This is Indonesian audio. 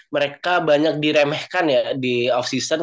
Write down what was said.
mereka banyak diremehkan ya di off season